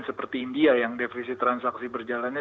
seperti india yang defisit transaksi berjalannya